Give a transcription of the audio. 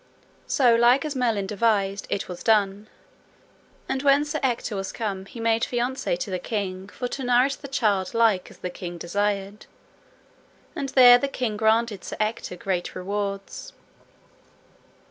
So like as Merlin devised it was done. And when Sir Ector was come he made fiaunce to the king for to nourish the child like as the king desired; and there the king granted Sir Ector great rewards.